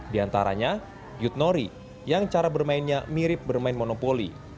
di antaranya yut nori yang cara bermainnya mirip bermain monopoli